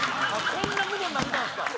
こんなことなってたんすか。